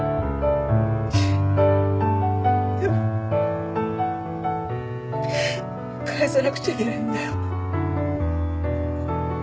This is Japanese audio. でも返さなくちゃいけないんだよ。